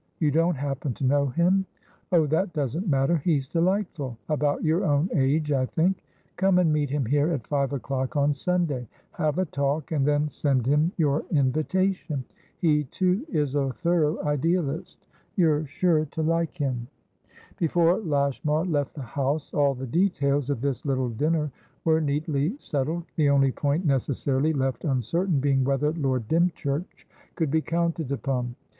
You don't happen to know him? Oh, that doesn't matter. He's delightful; about your own age, I think. Come and meet him here at five o'clock on Sunday; have a talk and then send him your invitation. He, too, is a thorough idealist; you're sure to like him." Before Lashmar left the house, all the details of this little dinner were neatly settled, the only point necessarily left uncertain being whether Lord Dymchurch could be counted upon.